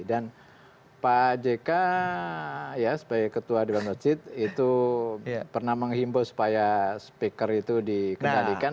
dan pak jk ya sebagai ketua di bantuan cid itu pernah menghimbau supaya speaker itu dikendalikan